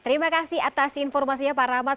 terima kasih atas informasinya pak rahmat